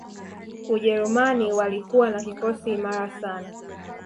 Ujerumani walikuwa na kikosi imara sana